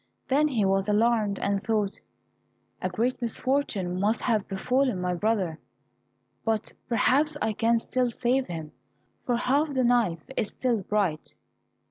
Then he was alarmed and thought, "A great misfortune must have befallen my brother, but perhaps I can still save him, for half the knife is still bright."